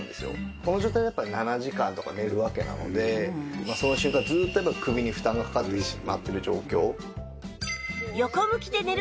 この状態で７時間とか寝るわけなのでその瞬間ずっと首に負担がかかってしまっている状況。